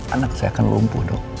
anak saya akan lumpuh dok